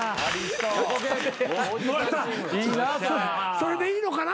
それでいいのかな？